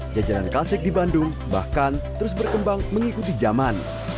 jajanan klasik di bandung bahkan terus berkembang mengikuti zaman